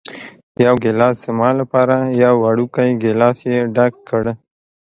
یو ګېلاس زما لپاره، یو وړوکی ګېلاس یې ډک کړ.